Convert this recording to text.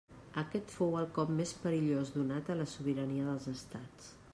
Aquest fou el cop més perillós donat a la sobirania dels estats.